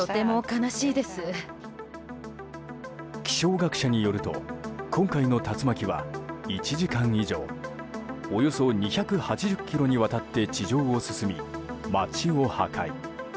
気象学者によると今回の竜巻は１時間以上およそ２８０ｋｍにわたって地上を進み、街を破壊。